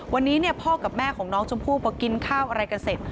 วันนี้พ่อกับแม่ของน้องชมพู่พอกินข้าวอะไรกันเสร็จ